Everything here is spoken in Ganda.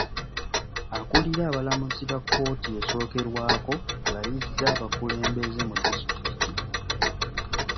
Akulira abalamuzi ba kkooti esookerwako alayizza abakulembeze mu disitulikiti.